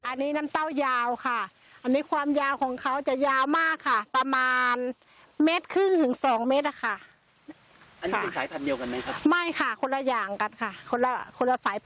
อันนี้อ่าสายพันธุ์นี้มาจากที่ไหนครับ